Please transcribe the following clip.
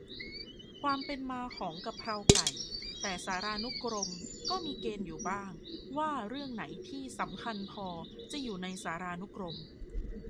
ความเป็นมาของกะเพราไก่ แต่สารานุกรมก็มีเกณฑ์อยู่บ้าง ว่าเรื่องไหนที่ "สำคัญพอ" จะอยู่ในสารานุกรม